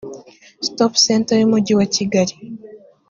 stop center y umujyi wa kigali